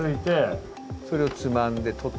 それをつまんで取って。